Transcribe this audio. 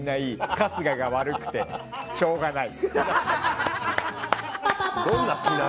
春日が悪くて、しょうがない。